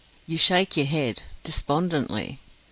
You shake your head despondently?